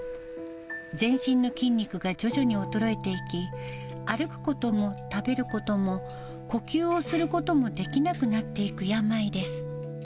全身の筋肉が徐々に衰えていき、歩くことも、食べることも、呼吸をすることもできなくなっていく病です。